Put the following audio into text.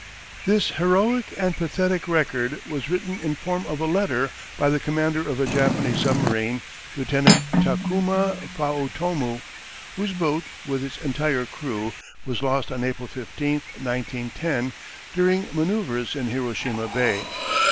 This heroic and pathetic record was written in form of a letter by the commander of a Japanese submarine, Lieutenant Takuma Faotomu, whose boat, with its entire crew, was lost on April 15, 1910, during manoeuvres in Hiroshima Bay.